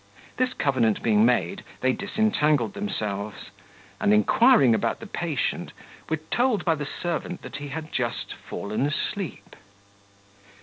This covenant being made, they disentangled themselves, and, inquiring about the patient, were told by the servant that he had just fallen asleep.